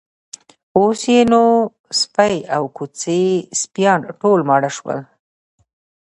اوس یې نو سپۍ او کوچني سپیان ټول ماړه شول.